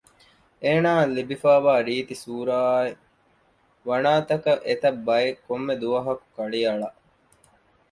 އޭނާއަށް ލިބިފައިވާ ރީތި ސޫރައާއި ވަނާތަކަށް އެތަށް ބައެއް ކޮންމެ ދުވަހަކު ކަޅިއަޅަ